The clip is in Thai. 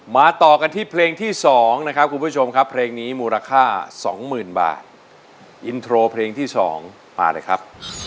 ต่อกันที่เพลงที่๒นะครับคุณผู้ชมครับเพลงนี้มูลค่าสองหมื่นบาทอินโทรเพลงที่๒มาเลยครับ